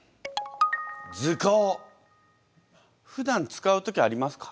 ふだん使う時ありますか？